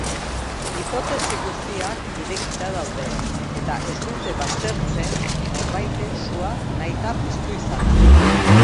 Hipotesi guztiak irekita daude eta ez dute baztertzen norbaitek sua nahita piztu izana.